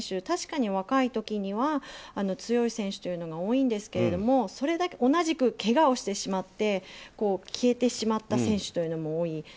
確かに若い時には強い選手というのが多いんですがそれだけ同じくけがをしてしまって消えてしまった選手というのも多い。